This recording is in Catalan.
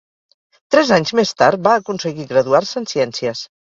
Tres anys més tard va aconseguir graduar-se en ciències.